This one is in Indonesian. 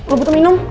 lo butuh minum